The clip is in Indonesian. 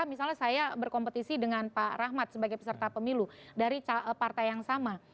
misalnya saya berkompetisi dengan pak rahmat sebagai peserta pemilu dari partai yang sama